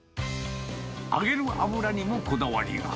揚げる油にもこだわりが。